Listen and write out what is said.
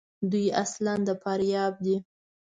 دوی اصلاُ د فاریاب دي.